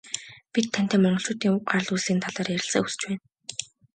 Бид тантай Монголчуудын уг гарал үүслийн талаар ярилцахыг хүсэж байна.